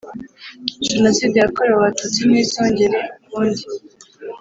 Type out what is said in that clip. jenoside yakorewe abatutsi ntizongere ukundi